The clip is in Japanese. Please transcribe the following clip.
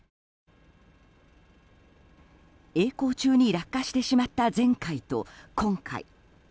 曳航中に落下してしまった前回と今回。